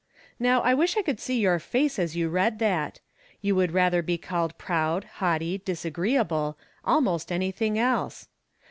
Now, I wish I could see your face as you read that ! You would rather be called proud, haughty, disagreeable, almost anything else.